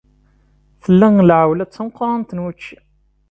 Tella lɛewla d tameqrant n wucci.